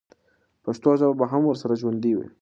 پښتو ژبه به هم ورسره ژوندۍ وي.